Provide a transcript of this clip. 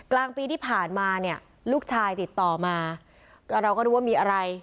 กลางปีที่ผ่านมาเนี่ยลูกชายติดต่อมาก็เราก็รู้ว่ามีอะไร